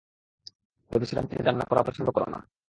ভেবেছিলাম তুমি রান্না করা পছন্দ করো না।